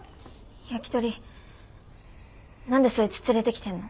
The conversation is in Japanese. ヤキトリ何でそいつ連れてきてんの？